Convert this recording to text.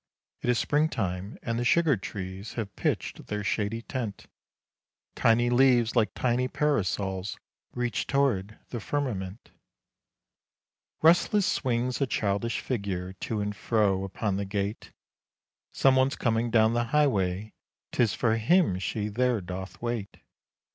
It is springtime and the sugar trees have pitched their shady tent, Tiny leaves like tiny parasols reach toward the firmament. Restless swings a childish figure to and fro upon the gate, Some one's coming down the highway 'tis for him she there doth wait.